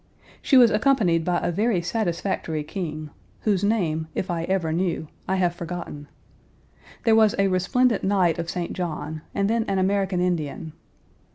She was accompanied by a very satisfactory king, whose name, if I ever knew, I have forgotten. There was a resplendent knight of St. John, and then an American Indian.